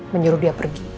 menyuruh dia pergi